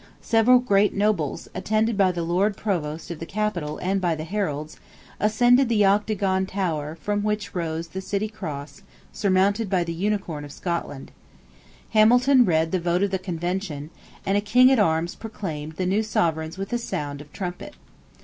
Several great nobles, attended by the Lord Provost of the capital and by the heralds, ascended the octagon tower from which rose the city cross surmounted by the unicorn of Scotland, Hamilton read the vote of the Convention; and a King at Arms proclaimed the new Sovereigns with sound of trumpet.